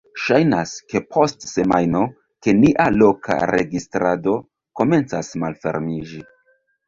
ŝajnas, ke post semajno, ke nia loka registrado komencas malfermiĝi